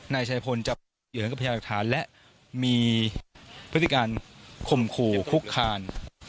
นายชัยพลจะอย่างกับพญาติฐานและมีพฤติการคมคู่พุกคาล